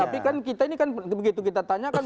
tapi kan kita ini kan begitu kita tanyakan